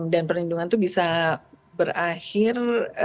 dan perlindungan itu bisa berakhir